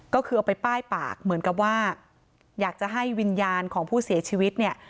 ก็คือเอาไปป้ายปากเหมือนกับว่าอยากจะให้วิญญาณของผู้เสียชีวิตเนี่ย